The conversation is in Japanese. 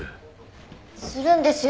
するんですよ